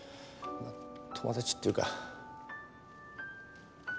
友達っていうか。